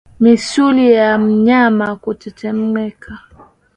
Misuli ya mnyama kutetemeka